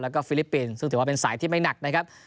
แล้วก็ฟิลิปปินส์ซึ่งถือว่าเป็นสายที่ไม่หนักนะครับ